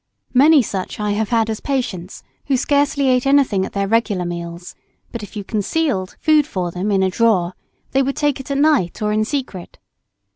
Many such I have had as patients who scarcely ate anything at their regular meals; but if you concealed food for them in a drawer, they would take it at night or in secret.